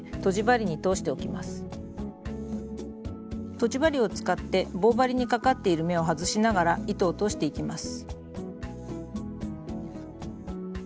とじ針を使って棒針にかかっている目を外しながら糸を通していきます。